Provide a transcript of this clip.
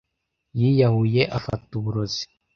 Yiyahuye afata uburozi.